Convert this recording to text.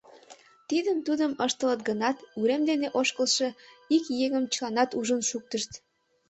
Тидым-тудым ыштылыт гынат, урем дене ошкылшо ик еҥым чыланат ужын шуктышт.